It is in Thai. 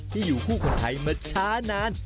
ที่อยู่คู่คนไทยเมื่อช้านาน